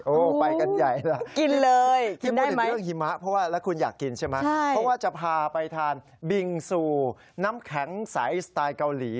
โอ้ไปกันใหญ่แล้วที่พูดถึงเรื่องหิมะเพราะว่าแล้วคุณอยากกินใช่ไหมคุณพาไปทานบิงซูน้ำแข็งใสสไตล์เกาหลี